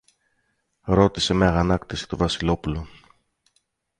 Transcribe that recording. ρώτησε με αγανάκτηση το Βασιλόπουλο.